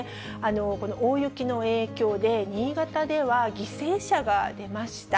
この大雪の影響で、新潟では犠牲者が出ました。